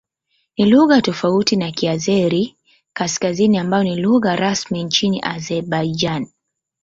Ni lugha tofauti na Kiazeri-Kaskazini ambayo ni lugha rasmi nchini Azerbaijan.